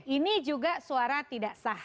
ini juga suara tidak sah